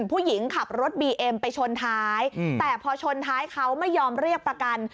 ผู้หญิงขับรถบีเอ็มไปชนท้ายแต่พอชนท้ายเขาไม่ยอมเรียกประกัน